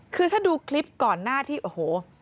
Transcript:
คือถ้าดูคลิปก่อนหน้าที่โอ้โห